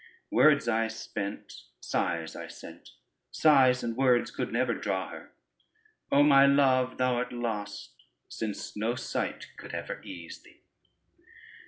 Words I spent, Sighs I sent: Sighs and words could never draw her. O my love, Thou art lost, Since no sight could ever ease thee.